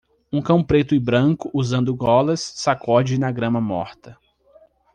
Um cão preto e branco usando golas sacode na grama morta.